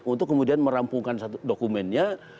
untuk kemudian merampungkan dokumennya